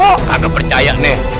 aku percaya nih